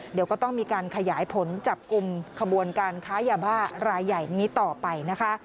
เดี๋ยวก็ต้องมีการขยายผลจับกลุ่มขบวนการค้ายาบ้ารายใหญ่นี้ต่อไปนะคะ